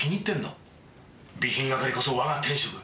備品係こそ我が天職。